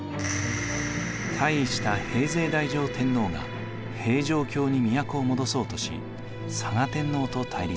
退位した平城太上天皇が平城京に都を戻そうとし嵯峨天皇と対立。